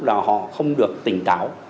là họ không được tỉnh táo